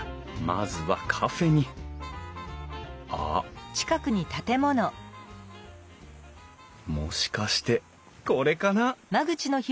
まずはカフェにあっもしかしてこれかな？